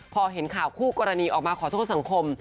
พอเห็นข่าวคู่กรณีออกมาขอโทษสังคม